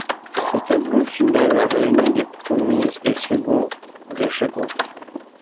Ce tableau final réunit les premiers et seconds de chaque groupe.